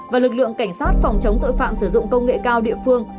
và lực lượng cảnh sát phòng chống tội phạm sử dụng công nghệ cao địa phương